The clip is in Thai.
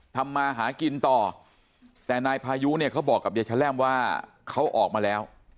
ทำมาหากินต่อแต่นายพายุเนี่ยเขาบอกกับยายชะแรมว่าเขาออกมาแล้ว